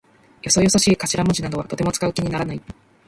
よそよそしい頭文字かしらもじなどはとても使う気にならない。